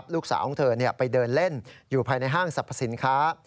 ลูกสาวของเธอไปเดินเล่นอยู่ภายในห้างสรรพสินค้า